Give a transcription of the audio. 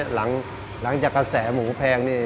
หลังจากกระแสหมูแพงนี่